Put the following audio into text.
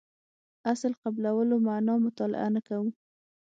اصل قبلولو معنا مطالعه نه کوو.